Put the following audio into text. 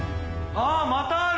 あっまたある！